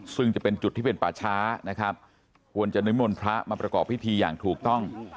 ซึ่งจะเป็นจุดที่เป็นป่าช้านะครับควรจะนิมนต์พระมาประกอบพิธีอย่างถูกต้อง